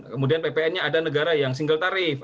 kemudian ppn nya ada negara yang single tarif